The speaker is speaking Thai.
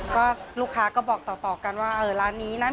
ก็ลูกค้าก็บอกต่อกันว่าเออร้านนี้นะ